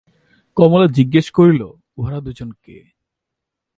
কমলা জিজ্ঞাসা করিল, উহারা দুজনে কে?